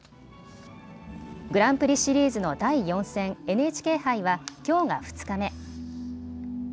グランプリシリーズの第４戦、ＮＨＫ杯は、きょうが２日目。